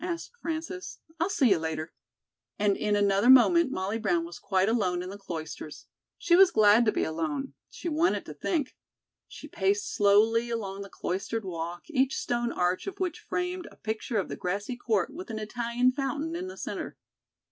asked Frances. "I'll see you later." And in another moment, Molly Brown was quite alone in the Cloisters. She was glad to be alone. She wanted to think. She paced slowly along the cloistered walk, each stone arch of which framed a picture of the grassy court with an Italian fountain in the center.